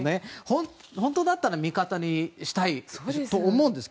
本当だったら味方にしたいと思うんですが。